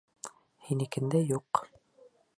Һинекендә юҡ.